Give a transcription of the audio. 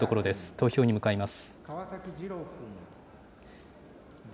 投票に向かいます。